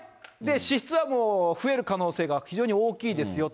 支出はもう増える可能性が非常に大きいですよと。